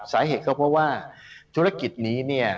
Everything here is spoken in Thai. สาเหตุก็เพราะว่าธุรกิจนี้เนี่ย